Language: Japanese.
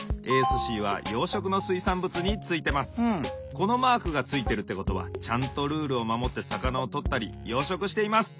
このマークがついているってことはちゃんとルールをまもってさかなをとったり養殖しています！